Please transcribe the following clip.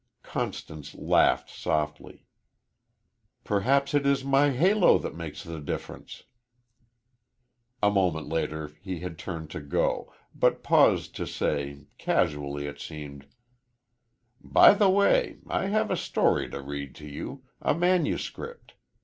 Constance laughed softly. "Perhaps it is my halo that makes the difference." A moment later he had turned to go, but paused to say casually, it seemed: "By the way, I have a story to read to you a manuscript.